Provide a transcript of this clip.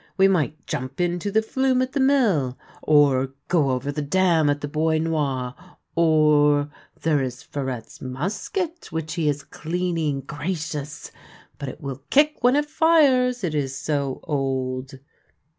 We might jump into the flume at the mill, or go over the dam at the Bois Noir ; or, there is Farette's musket which he is cleaning — gracious! but it will kick when it fires, it is so old